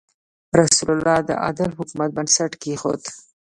رسول الله د عادل حکومت بنسټ کېښود.